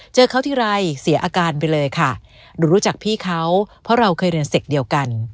เจอเขาทีไรเสียอาการไปเลยค่ะหนูรู้จักพี่เขาเพราะเราเคยเรียนเสร็จเดียวกัน